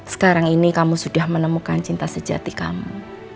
sekarang ini kamu sudah menemukan cinta sejati kamu